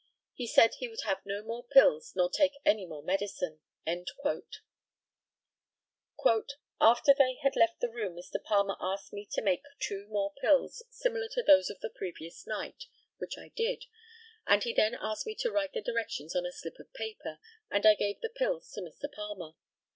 He said he would have no more pills nor take any more medicine." "After they had left the room Mr. Palmer asked me to make two more pills similar to those on the previous night, which I did, and he then asked me to write the directions on a slip of paper; and I gave the pills to Mr. Palmer.